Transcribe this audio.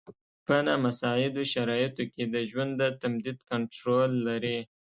په نامساعدو شرایطو کې د ژوند د تمدید کنټرول لري.